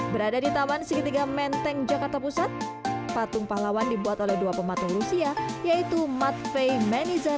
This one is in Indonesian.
berada di taman segitiga menteng jakarta pusat patung pahlawan dibuat oleh dua pematung rusia yaitu matvei menizar dan osip menizar